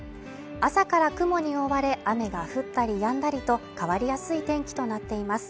朝から雲に覆われ雨が降ったりやんだりと変わりやすい天気となっています